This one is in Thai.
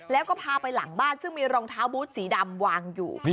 แล้วก็พาไปหลังบ้านซึ่งมีรองเท้าบูธสีดำวางอยู่